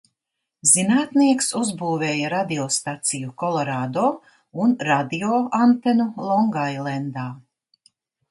Zinātnieks uzbūvēja radiostaciju Kolorādo un radioantenu Longailendā.